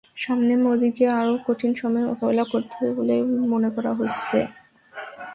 সামনে মোদিকে আরও কঠিন সময়ের মোকাবিলা করতে হবে বলে মনে করা হচ্ছে।